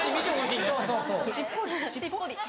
しっぽり。